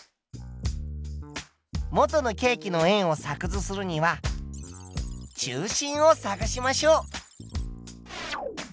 元のケーキの円を作図するには中心を探しましょう。